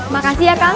makasih ya kang